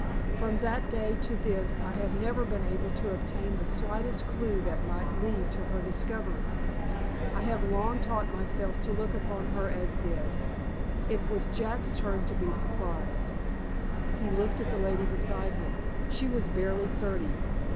From that day to this I have never been able to obtain the slightest clew that might lead to her discovery. I have long taught myself to look upon her as dead." "It was Jack's turn to be surprised. He looked at the lady beside him. She was barely thirty.